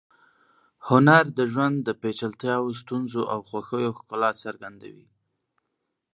هنر د ژوند د پیچلتیاوو، ستونزو او خوښیو ښکلا څرګندوي.